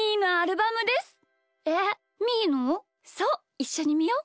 いっしょにみよう！